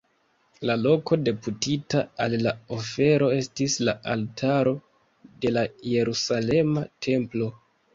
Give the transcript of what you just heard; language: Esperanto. La loko deputita al la ofero estis la altaro de la Jerusalema templo.